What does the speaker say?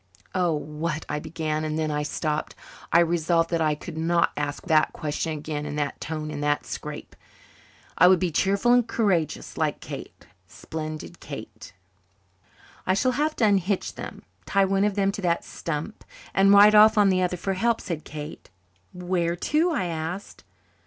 "Oh, what " I began, and then I stopped. I resolved that I would not ask that question again in that tone in that scrape. I would be cheerful and courageous like Kate splendid Kate! "I shall have to unhitch them, tie one of them to that stump, and ride off on the other for help," said Kate. "Where to?" I asked.